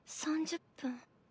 ３０分。